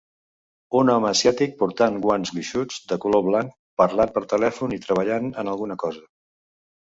Un home asiàtic portant guants gruixuts de color blanc, parlant per telèfon, i treballant en alguna cosa.